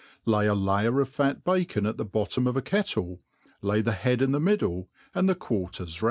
Lay a layer of fat bacon at the boitjom of 9 kettle, lay the head in the middle, and the quartej^.